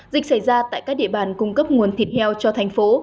dịch xảy ra tại các địa bàn cung cấp nguồn thịt heo cho thành phố